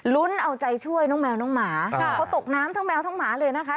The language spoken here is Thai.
เอาใจช่วยน้องแมวน้องหมาเขาตกน้ำทั้งแมวทั้งหมาเลยนะคะ